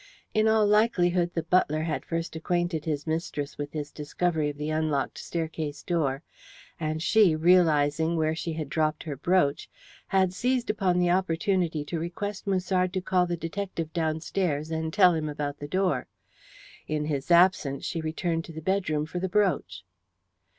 In all likelihood the butler had first acquainted his mistress with his discovery of the unlocked staircase door, and she, realizing where she had dropped her brooch, had seized upon the opportunity to request Musard to call the detective downstairs and tell him about the door. In his absence she returned to the bedroom for the brooch.